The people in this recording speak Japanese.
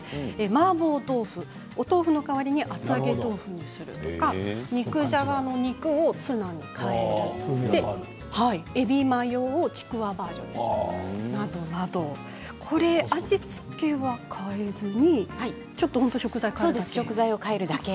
マーボー豆腐、豆腐の代わりに厚揚げや豆腐にするとか肉じゃがの肉をツナに変えるえびマヨをちくわバージョンにする、などなど味付けは変えずに食材を変えるだけ。